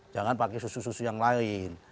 jangan pakai susu susu yang lain